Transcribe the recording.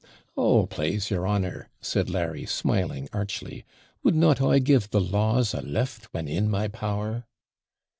'Oh, plase your honour!' said Larry, smiling archly, 'would not I give the laws a lift, when in my power?'